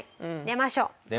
出ましょう。